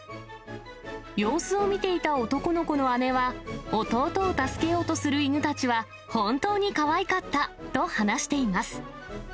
様子を見ていた男の子の姉は、弟を助けようとする犬たちは、本当にかわいかったと話しています。